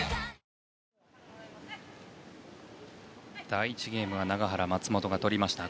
第１ゲームは永原、松本が取りました。